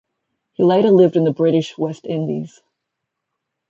He later lived in the British West Indies.